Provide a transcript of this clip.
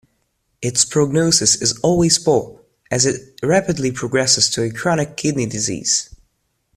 Its prognosis is always poor, as it rapidly progresses to chronic kidney disease.